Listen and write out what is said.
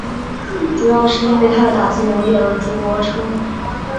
主要是因为他的打击能力而着称。